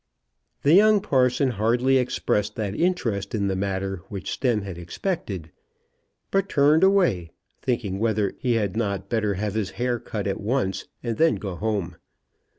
The young parson hardly expressed that interest in the matter which Stemm had expected, but turned away, thinking whether he had not better have his hair cut at once, and then go home.